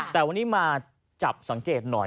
แต่วันนี้มาจับสังเกตหน่อย